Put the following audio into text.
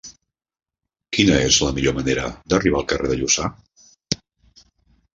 Quina és la millor manera d'arribar al carrer de Lluçà?